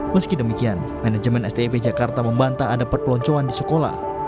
meski demikian manajemen stib jakarta membantah ada perpeloncoan di sekolah